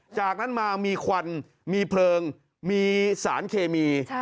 จากนั้นมามีควันมีเพลิงมีสารเคมี